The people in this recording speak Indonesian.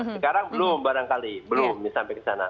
sekarang belum barangkali belum sampai ke sana